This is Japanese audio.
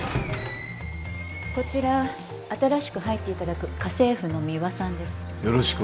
こちら新しく入っていただく家政婦のミワさんです。